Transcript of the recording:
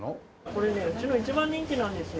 これねうちの一番人気なんですよ。